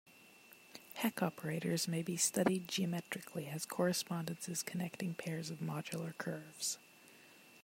Hecke operators may be studied geometrically, as correspondences connecting pairs of modular curves.